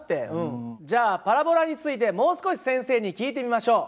じゃあパラボラについてもう少し先生に聞いてみましょう。